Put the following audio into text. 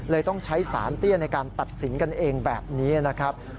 ต้องใช้สารเตี้ยในการตัดสินกันเองแบบนี้นะครับ